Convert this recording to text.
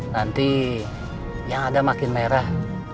nanti yang ada makin merah